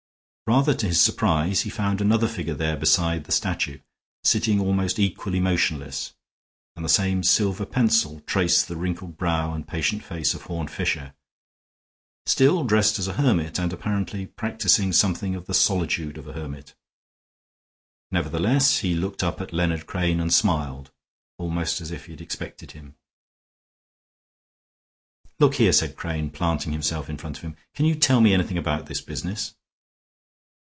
Rather to his surprise, he found another figure there beside the statue, sitting almost equally motionless; and the same silver pencil traced the wrinkled brow and patient face of Horne Fisher, still dressed as a hermit and apparently practicing something of the solitude of a hermit. Nevertheless, he looked up at Leonard Crane and smiled, almost as if he had expected him. "Look here," said Crane, planting himself in front of him, "can you tell me anything about this business?"